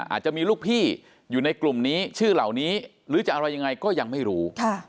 อาจจะมีลูกพี่อยู่ในกลุ่มนี้ชื่อเหล่านี้หรือจะอะไรยังไงก็ยังไม่รู้